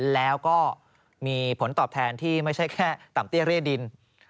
แล้วก็มีผลตอบแทนที่ไม่ใช่แค่ต่ำเตี้ยเร่ดิน